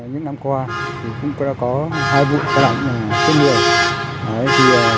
những năm qua cũng đã có hai vụ tai nạn chết người